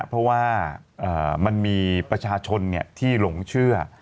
เพราะว่ามันมีประชาชนที่หลงเชื่อ